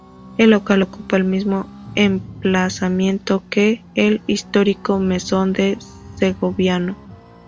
El local ocupa el mismo emplazamiento que el histórico Mesón del Segoviano.